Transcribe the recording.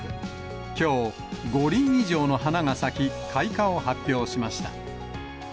きょう、５輪以上の花が咲き、開花を発表しました。